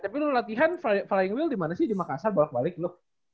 tapi lu latihan flying wheel di mana sih di makassar bolak balik lu